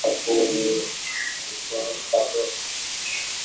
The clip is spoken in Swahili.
Hakuamka tena